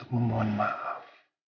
untuk memohon maaf